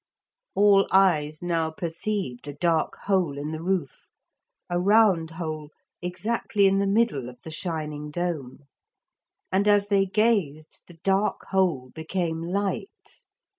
All eyes now perceived a dark hole in the roof, a round hole exactly in the middle of the shining dome. And as they gazed the dark hole became light.